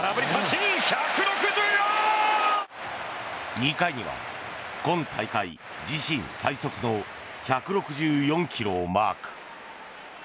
２回には今大会自身最速の１６４ｋｍをマーク。